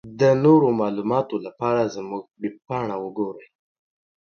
د نورو معلوماتو لپاره زمونږ ويبپاڼه وګورٸ.